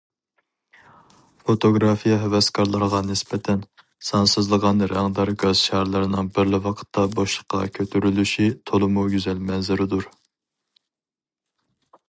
فوتوگرافىيە ھەۋەسكارلىرىغا نىسبەتەن، سانسىزلىغان رەڭدار گاز شارلىرىنىڭ بىرلا ۋاقىتتا بوشلۇققا كۆتۈرۈلۈشى تولىمۇ گۈزەل مەنزىرىدۇر.